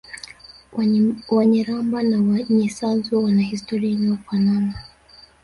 Wanyiramba na Wanyisanzu wana historia inayofanana